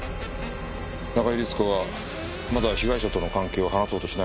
中井律子はまだ被害者との関係を話そうとしないのか？